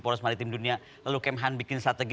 poros maritim dunia lalu kemhan bikin strategi